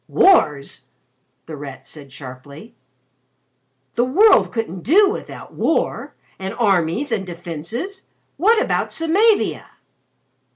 "Wars!" The Rat said sharply. "The World couldn't do without war and armies and defences! What about Samavia?"